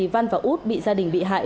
văn và út bị gia đình bị hại